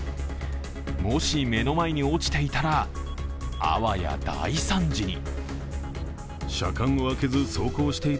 もし目の前に落ちていたらあわや大惨事に。